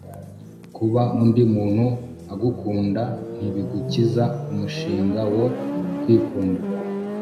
kuba undi muntu agukunda ntibigukiza umushinga wo kwikunda